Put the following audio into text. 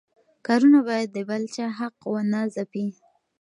کارونه باید د بل چا حق ونه ځپي.